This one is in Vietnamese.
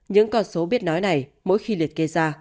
những con số biết nói này mỗi khi liệt kê ra